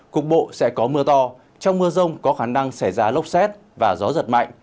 cục bộ sẽ có mưa to trong mưa rông có khả năng xảy ra lốc xét và gió giật mạnh